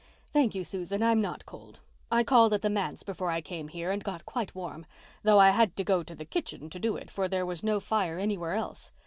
"Thank you, Susan, I'm not cold. I called at the manse before I came here and got quite warm—though I had to go to the kitchen to do it, for there was no fire anywhere else.